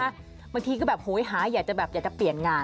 บางทีก็แบบโหยหาอยากจะแบบอยากจะเปลี่ยนงาน